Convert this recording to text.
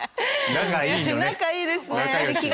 仲いいですね。